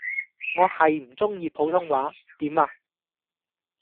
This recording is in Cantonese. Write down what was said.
我係唔鐘意普通話，點呀